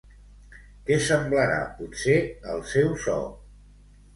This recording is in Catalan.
Què semblarà, potser, el seu so?